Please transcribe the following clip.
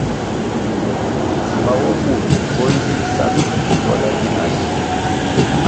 Djima bo bur bo nzih sa mbpih shuala gina ri.